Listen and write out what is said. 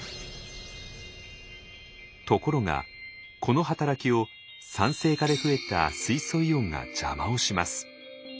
ところがこの働きを酸性化で増えた水素イオンが邪魔をします。